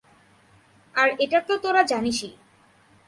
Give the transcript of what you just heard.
আর এটা তো তোরা জানিসই।